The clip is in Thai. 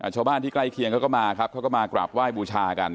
ชาวบ้านที่ใกล้เคียงเขาก็มาครับเขาก็มากราบไหว้บูชากัน